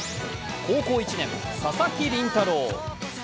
高校１年、佐々木麟太郎。